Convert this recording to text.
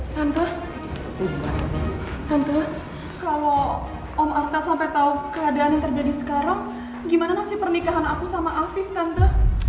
tante kalau om artha sampai tahu keadaan yang terjadi sekarang gimana sih pernikahan aku sama alfie tante